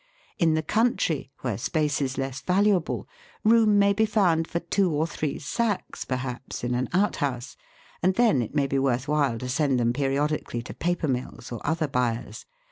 In the country, where space is less valuable, room may be found for two or three sacks, perhaps, in an out house, and then it may be worth while to send them pe riodically to paper mills, or other buyers.